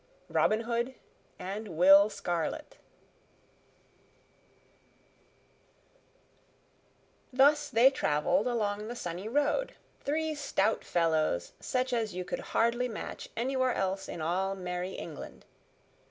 Robin Hood and Will Scarlet THUS THEY traveled along the sunny road, three stout fellows such as you could hardly match anywhere else in all merry England.